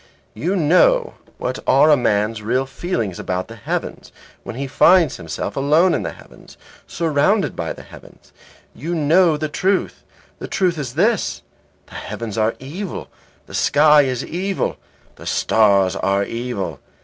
You know what are a man's real feelings about the heavens, when he finds himself alone in the heavens, surrounded by the heavens. You know the truth, and the truth is this. The heavens are evil, the sky is evil, the stars are evil.